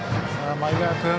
前川君。